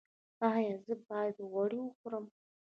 ایا زه باید غوړي وخورم؟